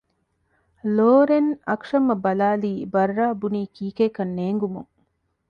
ލޯރެން އަކްޝަމް އަށް ބަލާލީ ބައްރާ ބުނީ ކީކޭކަން ނޭނގުމުން